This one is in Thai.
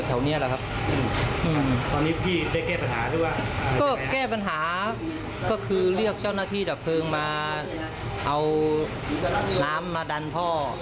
แล้วก็แก้ปัญหาคือคอยเอาน้ำรถ